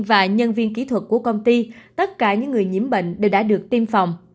và nhân viên kỹ thuật của công ty tất cả những người nhiễm bệnh đều đã được tiêm phòng